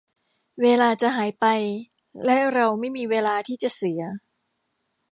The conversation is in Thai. เวลาจะหายไปและเราไม่มีเวลาที่จะเสีย